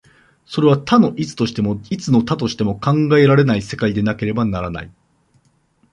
それは多の一としても、一の多としても考えられない世界でなければならない。